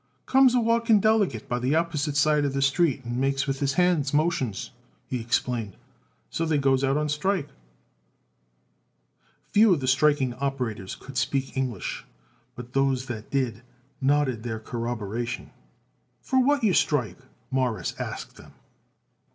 "Comes a walking delegate by the opposite side of the street and makes with his hands motions," he explained. "So they goes out on strike." Few of the striking operators could speak English, but those that did nodded their corroboration. "For what you strike?" Morris asked them.